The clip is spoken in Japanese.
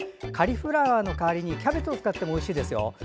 カリフラワーの代わりにキャベツを使ってもおいしいですよ。